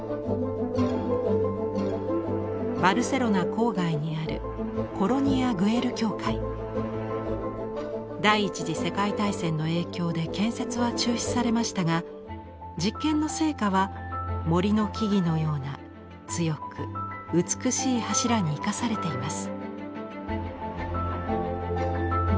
バルセロナ郊外にある第１次世界大戦の影響で建設は中止されましたが実験の成果は森の木々のような強く美しい柱に生かされています。